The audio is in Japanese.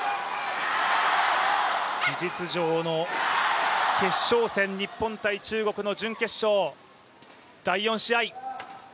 事実上の決勝戦、日本対中国の準決勝第４試合。